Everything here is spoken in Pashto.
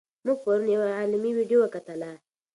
موږ پرون یوه علمي ویډیو وکتله.